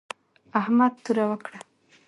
احمد توره وکړه